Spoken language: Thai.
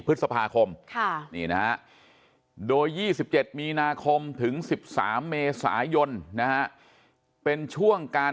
พฤษภาคมนี่นะฮะโดย๒๗มีนาคมถึง๑๓เมษายนนะฮะเป็นช่วงการ